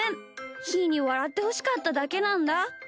ひーにわらってほしかっただけなんだ。